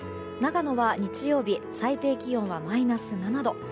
長野は日曜日最低気温はマイナス７度。